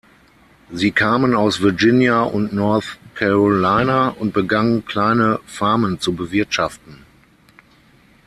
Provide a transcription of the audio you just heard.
Sie kamen aus Virginia und North Carolina und begannen kleine Farmen zu bewirtschaften.